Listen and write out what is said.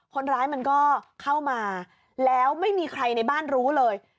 คนร้ายมันก็เข้ามาแล้วไม่มีใครในบ้านรู้เลย